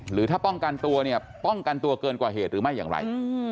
หรือถ้าป้องกันตัวเนี่ยป้องกันตัวเกินกว่าเหตุหรือไม่อย่างไร